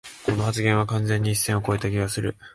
この発言は完全に一線こえた気がする